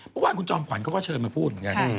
เมื่อวานคุณจอมขวัญเขาก็เชิญมาพูด